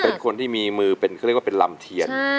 เป็นคนที่มีมือเป็นเขาเรียกว่าเป็นลำเทียน